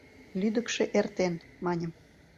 лӱдыкшӧ эртен, — маньым.